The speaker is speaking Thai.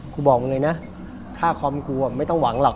กูบอกมึงเลยนะค่าคอมกูไม่ต้องหวังหรอก